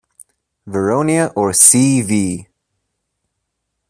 Vironia or C!V!